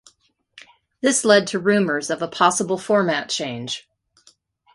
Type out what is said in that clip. This led to rumors of a possible format change.